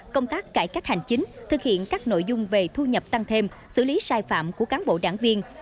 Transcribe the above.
công tác cải cách hành chính thực hiện các nội dung về thu nhập tăng thêm xử lý sai phạm của cán bộ đảng viên